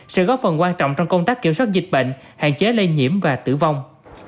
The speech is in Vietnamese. sẽ góp phần quan trọng trong công tác kiểm soát dịch bệnh hạn chế lây nhiễm và tử vong